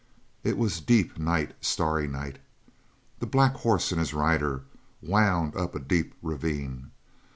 It was deep night, starry night. The black horse and his rider wound up a deep ravine.